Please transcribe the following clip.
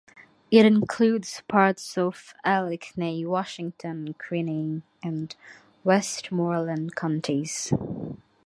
It includes parts of Allegheny, Washington, Greene and Westmoreland counties.